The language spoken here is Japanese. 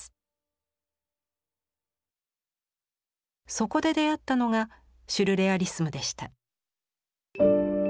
そこで出会ったのがシュルレアリスムでした。